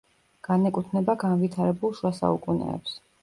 განეკუთვნება განვითარებულ შუა საუკუნეებს.